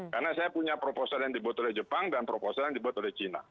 karena saya punya proposal yang dibuat oleh jepang dan proposal yang dibuat oleh cina